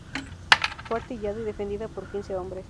Fue artillada y defendida por quince hombres.